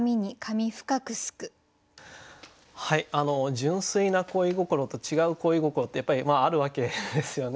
純粋な恋心と違う恋心ってやっぱりあるわけですよね。